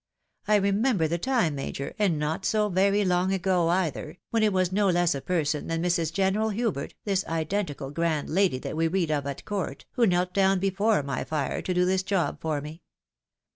I remember the time, Major, and not so very long ago either, when it was no less a person than Mrs. General Hubert, this identical grand lady that we read of at court, who knelt down before my fire to do this job for me.